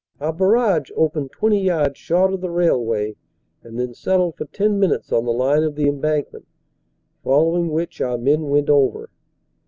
Our barrage opened 20 yards short of the railway and then settled for ten minutes on the line of the embankment, follow ing which our men went over.